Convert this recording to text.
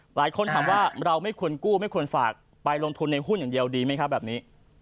หลายคนถามว่าเราไม่ควรกู้ไม่ควรฝากไปลงทุนในหุ้นอย่างเดียวดีไหมครับแบบนี้